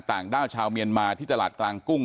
ด้าวชาวเมียนมาที่ตลาดกลางกุ้ง